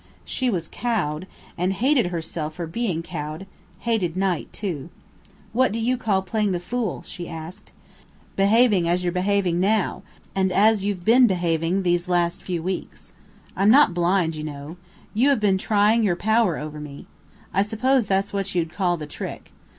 She was cowed, and hated herself for being cowed hated Knight, too. "What do you call playing the fool?" she asked. "Behaving as you're behaving now; and as you've been behaving these last few weeks. I'm not blind, you know. You have been trying your power over me. I suppose that's what you'd call the trick.